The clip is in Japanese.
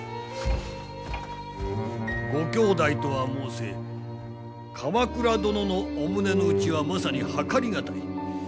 ご兄弟とは申せ鎌倉殿のお胸の内はまさにはかり難い。